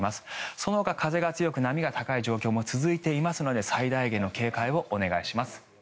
そのほか、風が強く波が高い状況も続いていますので最大限の警戒をお願いします。